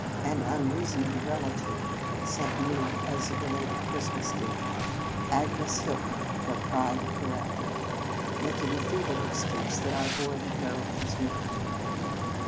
An unrea soning relative had sent me as a be lated Christmas gift, "Agnes Hilton; or Pride Corrected," making the feeble excuse that I bore the heroine s name.